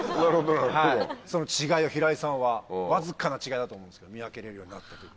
その違いを平井さんはわずかな違いだと思うんですけど見分けれるようになったという。